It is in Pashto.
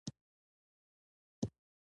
دغه جمله په بيا بيا لوستلو ارزي.